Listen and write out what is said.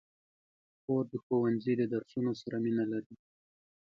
خور د ښوونځي د درسونو سره مینه لري.